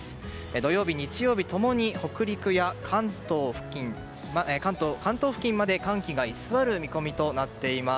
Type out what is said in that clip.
土曜日、日曜日共に北陸や関東付近まで寒気が居座る見込みとなっています。